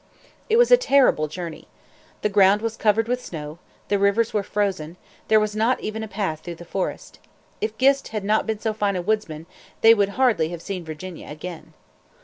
It was a terrible journey. The ground was covered with snow; the rivers were frozen; there was not even a path through the forest. If Gist had not been so fine a woodsman they would hardly have seen Virginia again.